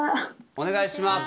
お願いします。